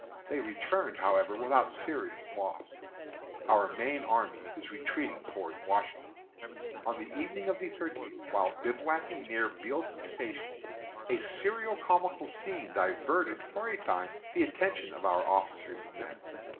They returned, however, without serious loss. Our main army is retreating toward Washington. On the evening of the thirteenth, while bivouacking near Bealeton Station, a serio comical scene diverted for a time the attention of our officers and men.